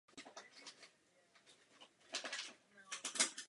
Inflace je pod kontrolou a chorvatská měna stabilní.